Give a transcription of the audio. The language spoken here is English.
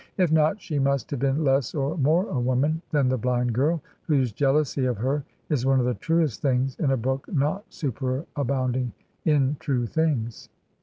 If not, she must have been less or more a woman than the blind girl, whose jealousy of her is one of the truest things in a book not superabounding in true things.